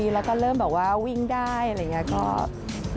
แล้วก็เริ่มแบบว่าวิ่งได้อะไรอย่างนี้